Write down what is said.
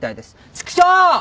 チクショー！